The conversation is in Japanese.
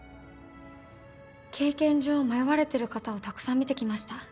経験上迷われてる方をたくさん見てきました。